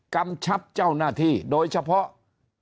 กำชับเจ้าหน้าที่โดยเฉพาะ